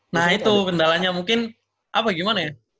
nah itu kendalanya mungkin apa gimana ya